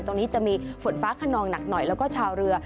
ตรงนี้จะมีฝนฟ้าขนองหนักหน่อยแล้วก็ชาวเรือ